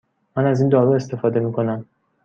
من از این دارو استفاده می کنم.